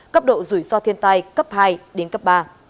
cấp độ rủi ro thiên tai cấp hai đến cấp ba